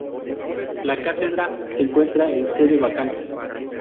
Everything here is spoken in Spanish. La cátedra se encuentra en Sede Vacante.